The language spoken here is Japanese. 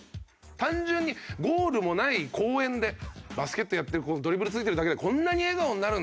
単純にゴールもない公園でバスケットやってるドリブルついてるだけでこんなに笑顔になるんだ。